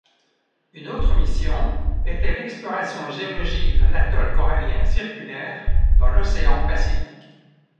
Une autre mission était l'exploration géologique d'un atoll corallien circulaire dans l'océan Pacifique.